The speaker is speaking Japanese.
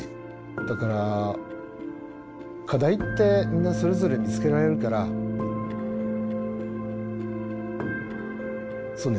だから課題ってみんなそれぞれ見つけられるからそうね